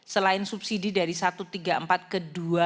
selain subsidi dari satu ratus tiga puluh empat ke dua